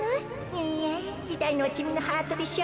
いいえいたいのはちみのハートでしょ？